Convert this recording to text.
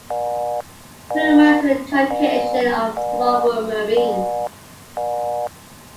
Glomar is a truncation of Global Marine.